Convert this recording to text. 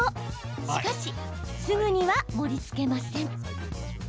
しかし、すぐには盛りつけません。